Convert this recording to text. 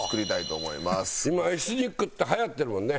今エスニックってはやってるもんね。